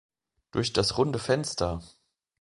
Durch das runde Fenster!